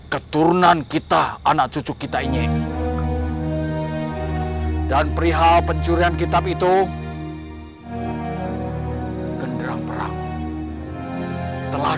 keturunan kita anak cucu kita ini dan perihal pencurian kitab itu genderang perang telah